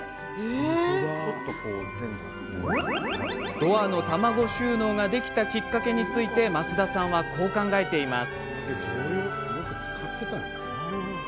ドアの卵収納ができたきっかけについて増田さんはこう考えています。